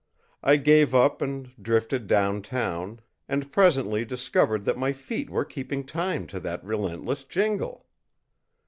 I gave up and drifted down town, and presently discovered that my feet were keeping time to that relentless jingle.